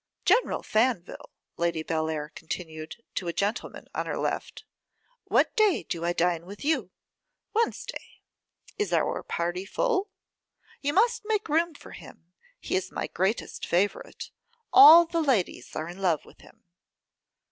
'General Faneville,' Lady Bellair continued, to a gentleman on her left, 'what day do I dine with you? Wednesday. Is our party full? You must make room for him; he is my greatest favourite. All the ladies are in love with him.